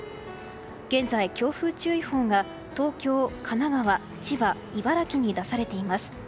現在、強風注意報が東京、神奈川、千葉、茨城に出されています。